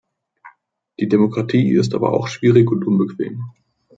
Die Demokratie ist aber auch schwierig und unbequem.